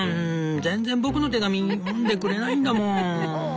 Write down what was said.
全然僕の手紙読んでくれないんだもん」。